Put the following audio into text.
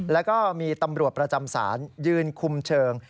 แล้วก็มีตำรวจประจำศาลยืนคุมเชิง